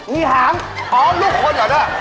มีหางอ๋อลูกของคนเหรอล่ะ